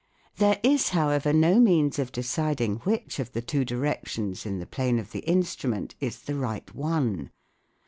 There is, however, no means of deciding which of the two directions in the plane of SOUND IN WAR 177 the instrument is the right one.